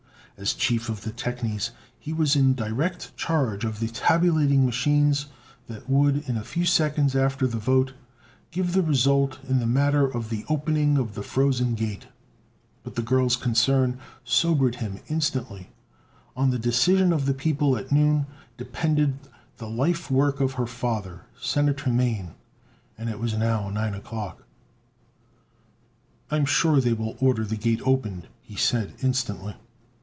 As chief of the technies he was in direct charge of the tabulating machines that would, a few seconds after the vote, give the result in the matter of the opening of the Frozen Gate. But the girl's concern sobered him instantly. On the decision of the people at noon depended the life work of her father, Senator Mane. And it was now nine o'clock. "I am sure they will order the Gate opened," he said instantly.